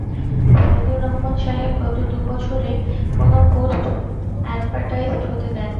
সাইদুর রহমান সাহেব গত দু বছরে কোনো পোস্ট অ্যাডভারটাইজড হতে দেন নি।